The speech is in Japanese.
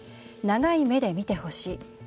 長い目で見てほしい。